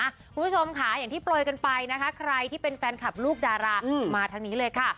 คุณผู้ชมค่ะอย่างที่โปรยกันไปนะคะใครที่เป็นแฟนคลับลูกดารามาทางนี้เลยค่ะ